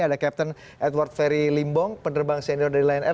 ada kapten edward ferry limbong penerbang senior dari line r